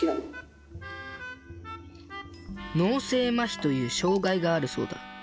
脳性まひという障害があるそうだ。